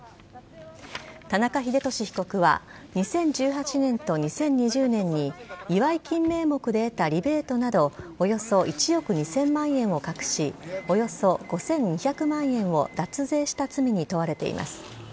田中英寿被告は２０１８年と２０２０年に、祝い金名目で得たリベートなど、およそ１億２０００万円を隠し、およそ５２００万円を脱税した罪に問われています。